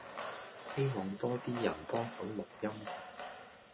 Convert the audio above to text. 希望多 D 人幫手錄音